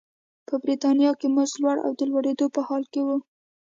په برېټانیا کې مزد لوړ او د لوړېدو په حال کې و.